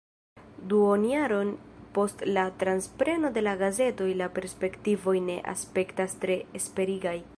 Duonjaron post la transpreno de la gazeto la perspektivoj ne aspektas tre esperigaj.